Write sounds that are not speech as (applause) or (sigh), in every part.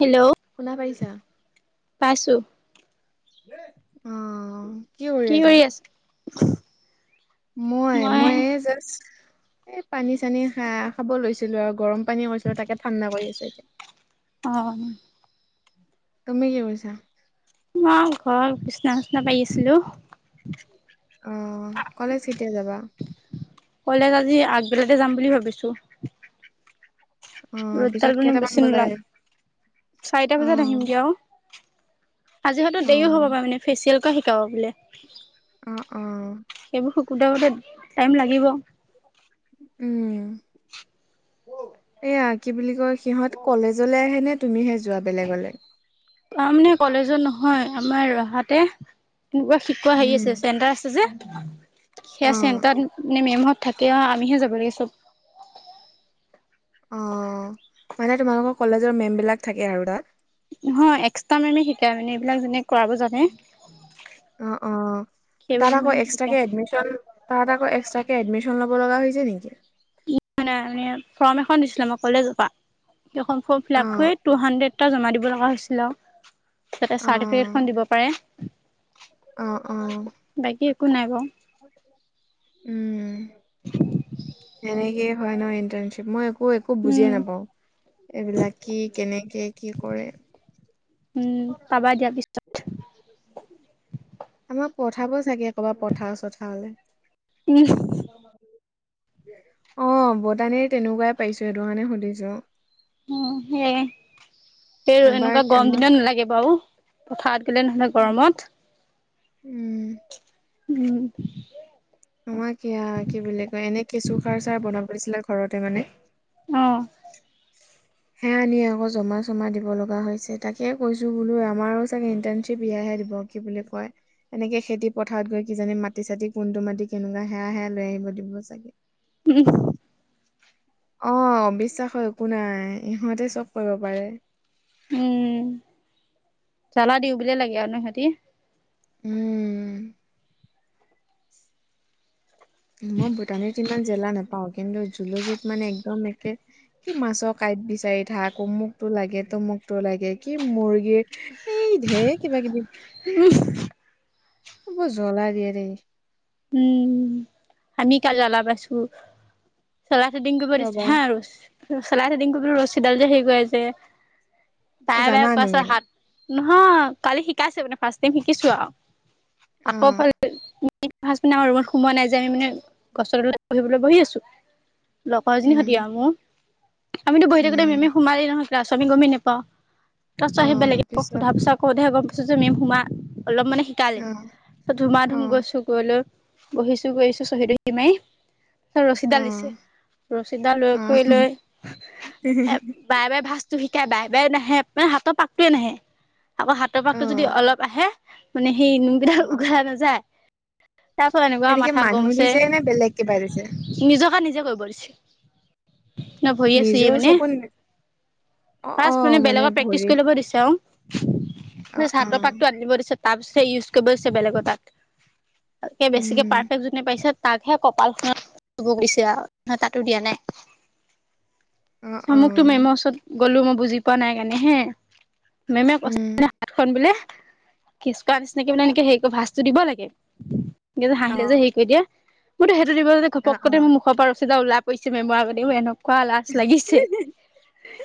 Hello শুনা পাইছা? পাইছো। অ', কি কৰি আছা? মই, মই, এই জাষ্ট এই পানী চানী খ খাব লৈছিলোঁ আৰু গৰম পানী পৰিছিলে তাকে ঠাণ্ডা কৰি আছোঁ এতিয়া অ', তুমি কি কৰিছা? মই ঘৰৰ বিচনা চিচনা পাৰি আছিলোঁ। অ', কলেজ কেতিয়া যাবা? কলেজ আজি আগবেলাতে যাম বুলি ভাবিছো। অ ৰ'দ তাৰ পিছত কাৰণে কেইটামান বেছি বজাত নোলাই। আহিব? চাৰিটা অ বজাত আহিম দিয়া ঔ আজি হয়তো অ দেৰিও হ'ব বাৰু মানে। ফেচিয়েল কৰা শিকাব বোলে। অ', অ', সেইবোৰ শিকোঁতে শিকোঁতে টাইম লাগিব। উম। এয়া কি বুলি কয় সিহঁত কলেজলে আহে নে তুমিহে যোৱা বেলেগলে। তাৰমানে কলেজত নহয় আমাৰ ৰহাতে। তেনেকুৱা শিকোৱা হেৰি উম আছে চেণ্টাৰ আছে যে অ সেয়া চেণ্টাৰ মানে মেমসত থাকে আমিহে যাব লাগে চব। অ' মানে তোমালোকৰ কলেজৰ মেমবিলাক থাকে আৰু তাত। নহয় এক্সট্ৰা মেমে শিকাই মানে এইবিলাক যেনে কৰাব জানে। অ', অ', সেইবোৰ তাত আকৌ মেমে শিকায় এক্সট্ৰাকে এডমিশন তাত আকৌ এক্সট্ৰাকে এডমিশন ল'ব লগা হৈছে নেকি। ফৰ্ম এখন দিছিলে মোক কলেজৰ পৰা। সেইখন ফৰ্ম ফিল আপ অ', কৰি টু হানড্ৰেটা জমা দিব লগা হৈছিল আৰু। অ', চাৰ্টিফিকেটখন দিব পাৰে। অ', অ'। বাকী একো নাই বাৰু উম, সেনেকেই হয় ন' ইণ্টাৰ্ণশ্বিপ মই এক মইএকো উম বুজিয়ে নাপাওঁ, এইবিলাক কি কেনেকে কি কৰে। উম, পাবা দিয়া পি আমাক পঠাব চাগে কৰবাৰ পথাৰ চথাৰলে। (unintelligible) অ' বতানিৰ তেনেকুৱাই পাইছো সেইটো কাৰণে সুধিছো। উম' সেইয়ে, এই এবাৰ এনেকুৱা গৰম আমাক দিনত নালাগে বাৰু। পথাৰত গ'লে নহ'লে গৰমত। উম। উম। নহয় কিয়া কি বুলি কয় এনে কেঁচু সাৰ চাৰ বনাব দিছিলে ঘৰতে মানে। অ'। সেয়া নি আকৌ জমা চমা দিব লগা হৈছে তাকে কৈছোঁ বোলো আমাৰো চাগে ইণ্টাৰ্নশ্বিপ এয়াহে দিব। কি বুলি কয়। এনেকে খেতি পথাৰত গৈ কিজানি মাটি চাতি কোনটো মাটি কেনেকুৱা সেয়া সেয়া লৈ আহিব দিব চাগে। (unintelligible) অ' বিশ্বাস হয় একো নাই ইহঁতে চব কৰিব পাৰে। উম, জ্বালা দিওঁ বুলি লাগে আৰু ন' সিঁহতি। উম। মই বুটানীত ইমান জ্বালা নাপাওঁ কিন্তু জুলজিত মানে একদম একে কি মাছৰ কাঁইট বিচাৰি থাক অমুকটো লাগে তমুকটো লাগে কি মুৰ্গীৰ এই ধেৰ কিবা কিবি। (unintelligible) বৰ জ্বলাই দিয়ে দেই উম, আমি কালি জালা পাইছো। থেডিং কৰিব কিয় দিছে বা আৰু, চলাই থেডিং ৰছীডাল যে সেই কৰে যে। অ বাৰে জানা বাৰে কৈ আছে তুমি হাত, নহয় কালি শিকাইছে মানে ফাষ্ট টাইম শিকিছো আৰু। অ আকৌ ফালে ফাস্ট দিনা আমাৰ ৰুমত সোমোৱা নাই যে আমি মানে গছৰ তলত বহিবলৈ বহি আছোঁ। লগৰজনীৰ সতি উম আৰু, মোৰ আমিতো বহি থাকোতে উম, মেমে সোমালেই নহয়। ক্লাছ আমি গ'মে নাপাওঁ, তাৰ পিছত আহি বেলেগেক সোধা পিছত কওঁতে গ'ম পাইছো যে মেম সোমাল, অলপ মানে শিকালে, অ', ত' ধুমা ধুম অ', গৈছোঁ। গৈ লৈ, বহিছো বহি চহী তহি মাৰি অ', ৰছীডাল দিছে, অ', ৰছীডাল কৰি লৈ, এ অ', অ', বাৰে বাৰে ভাঁজটো শিকাই বাৰে বাৰে নাহে মানে হাতৰ পাকটোৱে নাহে। আকৌ হাতৰ পাকতটো যদি অলপ আহে, মানে সেই নাযায়। তাৰ পাছত এনেকুৱা এনেকে মাথা গৰম মানুহ হৈছে, দিছে নে বেলেগ কিবা দিছে? নিজকে নিজে কৈ পৰিছে। ন' ভৰি চোই নিজৰ মানে। চকুত নে- অ', ফাৰ্ষ্ট অ', মানে বেলেগক প্ৰেক্টিছ ভৰি কৰি ল'ব দিছে আৰু। মানে অ', চাতৰ অ', পাকটো আনিব দিছে তাৰ পিছতহে ইউজ কৰিব দিছে বেলেগৰ তাত। তাকে বেছিকে উম, পাৰফেক্ট যোনে পাইছে তাকহে কপাল খনত (unintelligible) দীছে আৰু ন তাতো দিয়া নাই অ', অ', আমুকতো মেমৰ ওচৰত গ'লো মই বুজি পোৱা নাই কাৰণে হে। মেমে কৈছে উম, মানে হাতখন বোলে খিচকোৱা নিচিনাকে মানে এনেকে হেৰি ক ভাজটো দিব লাগে এনকেযে হাঁহিলে অ', যে হেৰি কৰি দিয়ে। মোইতো সেইটো দিবলৈদি অ', ঘপকতে অ', মোৰ মুখৰ পৰা ৰচিডাল ওলাই পৰিছে মেমৰ আগতে মোৰ এনেকুৱা লাজ লাগিছে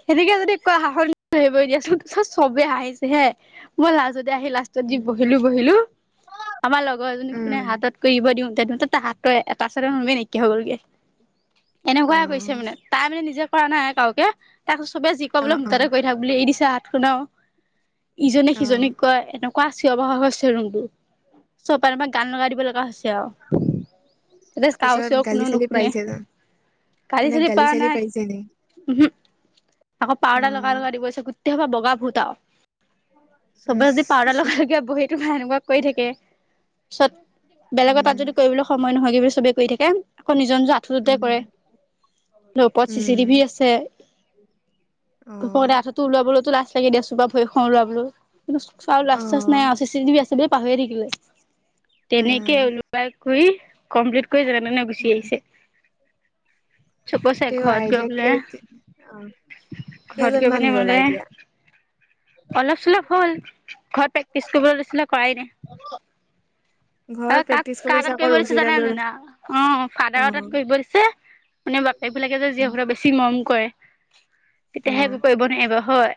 সেনেকে যদি কোৱা হাহৰ (unintelligible) দিয়াচোন সবে হাঁহিছে হে মই লাজতে আহি লাষ্ট টত যি বহিলো উম, বহিলো আমাৰ লগৰ এজনীক মানে উম, হাতত কৰিব দিওঁতে তাৰ হাত এটা চাইডৰ নুমে নাইকিয়া হৈ গলগে এনেকুৱা কৰিছে অ', মানে তাই মানে নিজে কৰা নাই কাওকে তাক সবে যি ক বোলে অ', মোৰ তাতে অ', কৰি থাক বুলি এৰি দিছে হাত খন ও ইজনে অ', সিজনীক কয় এনেকুৱা কোৱা চিওৰ বাখৰ হৈছে ৰুমটো সব পালৰ পা গান লগাই দিব লগা হৈছে আৰু এতিয়া পিছত স্কাওচও গালি কোনেও চালি নুশুনে পাৰিছে জানো? গালি মানে চালি পাৰা নাই পাৰিছে নি? উমহো আকৌ পাউদাৰ লগাই অ', লগাই দিব দিছে গোটেই শোপা বগা ভূত আও। উম, সবে যদি পাউডাৰ লগাই লগাই বহিটো এনেকুৱাক কৰি থাকে পিছত বেলেগৰ তাত উম, যদি কৰিবলৈ সময় নহয় কি বুলি সবেই কৰি থাকে আকৌ নিজৰ নিজৰ আ থ্ৰুতে উম, কৰে ওপৰত চি চি টিভি উম, আছে (inaudible) ওপৰলে অ', আঠুটো ওলাবলৈকে লাজ লাগে দে চোন বা ভৰি খন ওলাবলৈও কিন্তু চ আৰু লাজ চাজ নাই অ', আ চি চি টিভি আছে বুলি পাহৰি থাকিলো তেনেকে অ', ওলাই কৰি কমপ্লিট কৰি যেনে তেনে উম। গুচি আহিছে। চব কৈছে তেওঁ ঘৰত গৈ আইডিয়া বোলে কে উম ঘৰত গৈ মানে মোলে অলপ চলপ হ'ল ঘৰত প্ৰেক্টিচ কৰিবলৈ দিছিলে কৰায়ে নাই ঘৰত অ', কাক প্ৰেক্টিচ কাৰ তাত আকৌ কৰিব দিছে জানা ৰছীডালৰ নে নাজানা উম অ ফাদাৰৰ তাত কৰিব দিছে। মানে বাপেক বিলাকে যে জীয়েক বোৰক বেছি মৰম কৰে অ তেতিয়াহে একো কৰিব নোৱাৰিব হয়।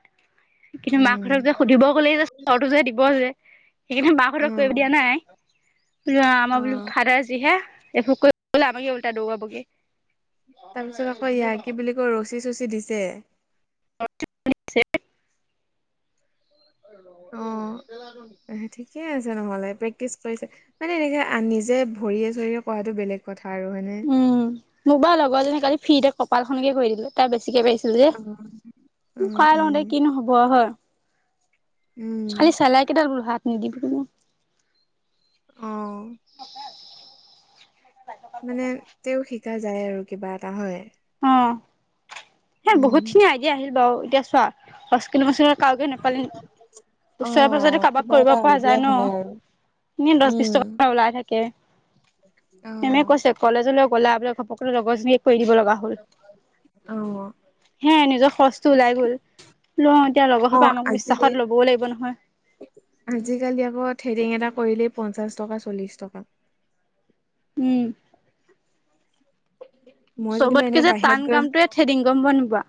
কিন্তু উম মাকহঁতক যে সুধিব গ'লেই যে চৰটো যে দিব যে সেইকাৰনে অ মাকহঁতক কৰিব দিয়া নাই কিন্তু অ আমাৰ বোলো ফাদাৰ যিহে একো কৰিব গলে আমাকে উলতা দৌৰাবগে তাৰপিছত আকৌ ইয়াক কি বুলি কয় ৰছী চচী দিছে ৰচিও দিছে (unintelligible) অ', আহ ঠিকে আছে নহলে প্ৰেক্টিছ কৰিছে। মানে এনেকে নিজে ভৰিয়ে চৰিয়ে কৰাটো বেলেগ কথা আৰু হয়নে। উম মোক বা লগৰজনী কালি ফ্ৰীতে কপালখনকে কৰি দি দিলে তাৰ বেছিকে পাইছে অ অ যে খাই লওঁ দে উম কিনো হব আৰু হয় খালি উম চেলাই কেইডাল বোলো হাত নিদিবি কলো। উম। মানে তেওঁ শিকা যায় আৰু কিবা এটা হয়। অ', সে বহুত উম খিনি আইডিয়া আহিল বাৰু এতিয়া চোৱা। কিন্তু মই চোৱা কাওকে নেপালি অ ওচৰে পাজৰে কাৰোবাক কিবা কৰিব এটা পৰা আইডিয়া যায় ন হয় আৰু এনে দহ বিশ উম টকা ওলাই থাকে। অ কে মেমে কৈছে কলেজলৈ গ'লা বোলে ঘপককে লগৰজনীক কৰি দিব লগা হল হে নিজৰ খৰচটো ওলাই গল লো এতিয়া লগৰ অ সোপা আমাক আজি বিশ্বাসত ল'বও লাগিব নহয়। আজিকালি আকৌ থ্ৰেডিং এটা কৰিলেই পঞ্চাশ টকা চল্লিশ টকা। উম। মই যেনিবা এনে সবতকে যে বাহিৰত টান গৈ কামটোৱে থ্ৰেদিং গম পোৱা নে নোপোৱা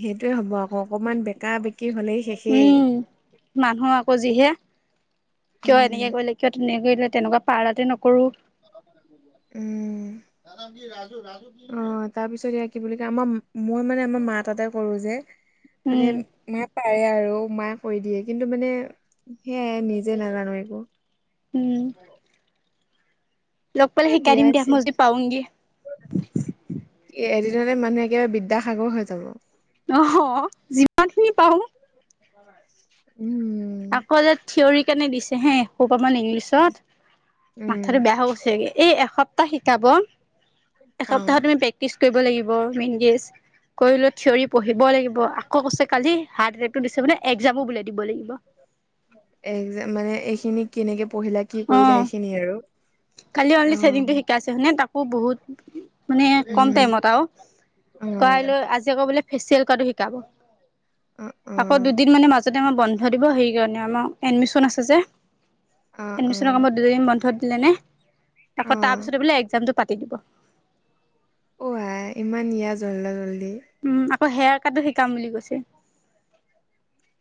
সেইটোয়ে হ'ব আকৌ অকণমান বেকা বেকি হলেই শেষেই উম মানুহ আকৌ যিহে কিয় উম এনেকে কৰিলে কিয় তেনেকে কৰিলে তেনেকোৱা পাৰ্লাৰতে নকৰো উম তাৰ নাম কি ৰাজু ৰাজু অ তাৰপিছত এইয়া কি বুলি কয় আমাৰ মই মানে আমাৰ মা তাতে কৰো যে মানে উম মা পাৰে আৰু মায়ে কৰি দিয়ে কিন্তু মানে সেয়াই নিজে নাজানো একো উম লগ পালে এ শিকাই বিয়া দিম দিয়া মই যি পাওগি এদিনতে মানুহে একেবাৰে বিদ্যাসাগৰ হৈ যাব নহ যিমানখিনি পাৰো উম আকৌ যে থিয়ৰি কেনে দিছে হে অকমান ইংলিছত মাথাটো উম, বেয়া হৈ গৈছেগে এই এসপ্তাহ শিকাব এসপ্তাহত অ', তুমি বে টিছ কৰিব লাগিব মেইন কেজ কৰি লৈ থিয়ৰি পঢ়িব লাগিব আকৌ কৈছে কালি হাৰ্টকটো দিছে মানে একজামো বোল দিব লাগিব এক মানে এইখিনি কেনেকে পঢ়িলা কি অ কৰিলা সেইখিনি আৰু কালি অনলি চেডিংটো অ', শিকাইছে মানে তাকো বহুত মানে কম উম। টাইমত আৰু কাই অ', লৈ আজি আকৌ বোলে ফেচিয়েল কৰাটো শিকাব অ', আকৌ দুদিন অ', মানে মাজতে আমাৰ বন্ধ দিব সেইকাৰণে আমাৰ এডমিশ্চন আছে যে অ', এডমিশ্চনৰ অ'। সময়ত দুদিন বন্ধ দিলেনে আকৌ অ', তাৰপাছতে বোলে একজামটো পাটি দিব অ আই ইমান ইয়া জল্ডা জল্দি উম আকৌ হেয়াৰ কাটো শিকাম বুলি কৈছে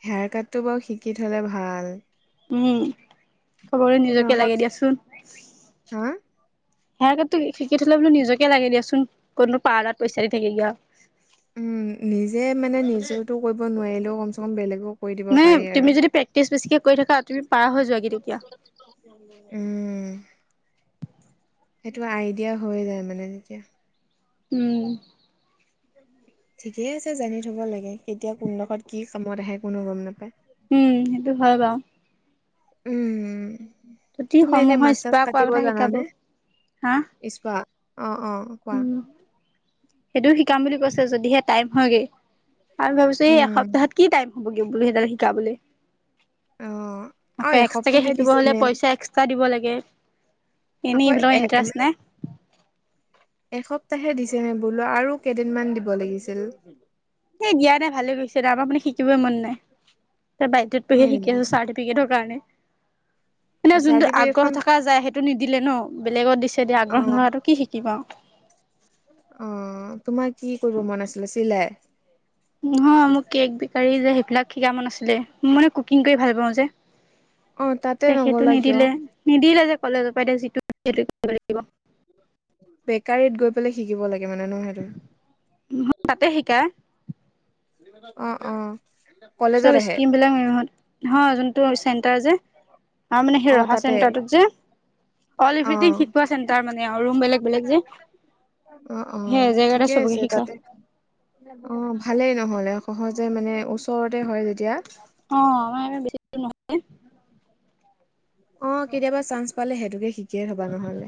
হেয়াৰ কাটটো বাৰু শিকি থলে ভাল উম চবৰে কিন্তু নিজকে আকৌ লাগে দিয়াচোন হা? হেয়াৰ কাতটো শিকি থ'লে বোলো নিজকে লাগে দিয়াচোন কতনো পাৰ্লাৰত বিচাৰি দি থাকেগে আৰু উম নিজে মানে নিজেওটো কৰিব নোৱাৰি ন কম চে কম বেলেগক কৰি দিব ন পাৰি আৰু। তুমি যদি প্ৰেক্টিচ বেছিকে কৰি থাকা তুমি পাৰা হৈ যোৱাগে তেতিয়া উম সেইটো আইডিয়া হৈয় যায় মানে তেতিয়া উম (inaudible) ঠিকে আছে জানি থ'ব লাগে কেতিয়া কোন দহত কি কামত আহে কোনো গম নাপায় উম সেইটো হয় বাৰু উম যদি তুমি এনে সমূহৰ মাছ চাছ স্পা কৰা কাতিব কথা শিকাব। জানানে হা স্পা অঁ অ কোৱা উম সেইটোও শিকাম বুলি কৈছে যদিহে টাইম হয়গে আৰু ভাবিছো এই উম এসপ্তাহত কি টাইম হবগে বোলো সেইডাল শিকাবলৈ অ অ আকৌ এক্সট্ৰাকে এসপ্তাহে শিকিব দিছে হলে নে পইচা এক্সট্ৰা দিব লাগে এনেই আকৌ এইবিলাকত এ ইণ্টাৰেষ্ট মানে নাই এসপ্তাহে দিছে নে বোলো আৰু কেইদিনমান দিব লাগিছিল এ দিয়া নাই ভালে হৈছে যা আমাৰ মানে শিকিবই মন নাই বাধ্যত হয় পৰিয়ে শিকি নেকি আছো ৰ্চাটি পিকেটৰ কাৰণে মানে অ যোনটো আগ্ৰহ চাৰ্টিফিকেটখন থকা যায় সেইটো নিদিলে ন বেলেগত দিছে এতিয়া অ আগ্ৰহ নথকাটো কি শিকবা আৰু অ তোমাৰ কি কৰিব মন আছিলে চিলাই নহয় মোৰ কেক বেকাৰী যে সেইবিলাক শিকা মন আছিলে মানে কুকিং কৰি ভাল পাওঁ যে অ তাতে তে সেইটো নগলা কিয় নিদিলে নিদিলে যে কলেজৰ পৰা এতিয়া যিটো দিলে সেইটোয়ে শিকিব লাগিব বেকাৰীত গৈ পেলাই শিকিব লাগে মানে ন সেইটো তাতে শিকাই অ অ চব কলেজত আহে স্কিম বিলাক হয় যোনটো চেণ্টাৰ যে আৰু মানে সেই অ ৰহা তাতে চেণ্টাৰটোত যে অল অ এভ্ৰিথিং শিকোৱা চেণ্টাৰ মানে ৰুম বেলেগ, বেলেগ যে অ', সেই অ', এজেগাতে ঠিকে চবকে আছে শিকাই তাতে। অ, ভালেই নহলে সহজে মানে ওচৰতে হয় যেতিয়া। অ'। দূৰ অ, কেতিয়াবা চান্স পালে সেইটোকে শিকিয়ে থবা নহলে।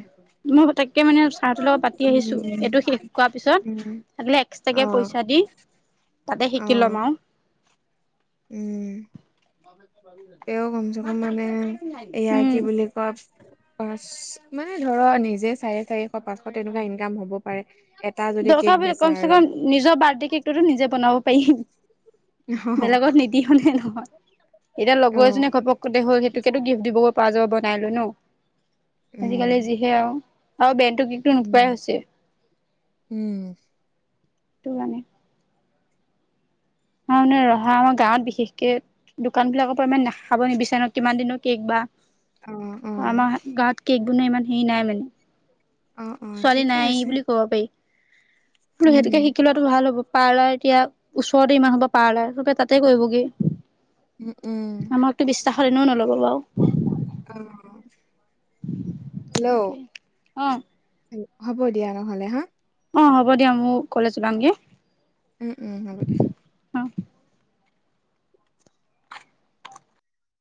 মই পতৈকে মানে চাহটোৰ লগত পাতি উম, আহিছো এইটো শেষ কৰোৱাৰ পিছত উম, আাগিলে। এক্সট্ৰাকে অ', পইচা দি তাতে শিকি অ', লম আৰু। উম, তেওঁ কম চে কম মানে এয়াই উম কি বুলি কোৱা। পাঁচ মানে ধৰা নিজে চাৰে চাৰিশ, পাঁচশ তেনেকুৱা ইনকাম হ'ব পাৰে। তটা যদি দৰকাৰ কেক পৰিলে বেচা কমচে কম আৰু। নিজৰ বাৰ্থডে কেকটোতো নিজে বনাব পাৰিম বেলেগত নিদি হনে নহয়। এতিয়া লগৰ অ', এজনীয়ে ঘপক হল সেইটোকেতো গিফ্ট দিব পৰা যাব বনাই লৈ ন। আজিকালি উম, যিহে আৰু বেনটো কি। উম, উম। সেইটো কাৰানে ম-মানে ৰহা আমাৰ গাঁৱত বিশেষকে দোকান বিলাকৰ পৰা ইমান নাখাব নিবিচাৰে কিমান দিনৰ কেক বা অ', অ', আমাৰ গাঁও কেক বনোৱা ইমান হেৰি নাই মানে। অ', অ', ছোৱালী ঠিকে নাই আছে বুলি কব পাৰি বো সেতুকে উম, শিকি লোৱাটো ভাল হ'ব। পাৰ্লাৰ এতিয়া ওচৰতে ইমান হ'ব পাৰ্লাৰ চবে তাতে কৰিবগে। উম, উম। টো বিশ্বাস এনও নল'ব বাৰু। অ, হেল্ল'। সেইটোৱে অ', হ'ব দিয়া নহ'লে হা। অ, হ'ব দিয়া মোক কলেজ ওলামগৈ। উম, উম হ'ব দিয়া। অ'।